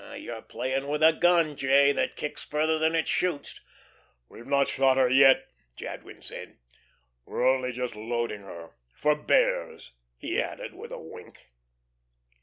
You're playing with a gun, J., that kicks further than it shoots." "We've not shot her yet," Jadwin said. "We're only just loading her for Bears," he added, with a wink.